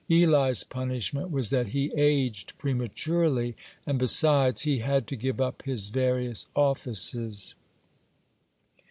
Eli's punishment was that he aged prematurely, and, besides, he had to give up his various offices.